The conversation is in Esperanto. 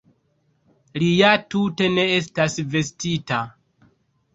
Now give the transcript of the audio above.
Li ja tute ne estas vestita!